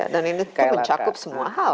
dan ini mencakup semua hal